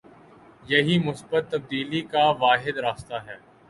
یہی مثبت تبدیلی کا واحد راستہ ہے۔